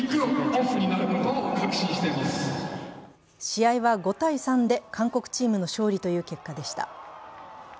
試合は５−３で韓国チームの勝利という結果でした。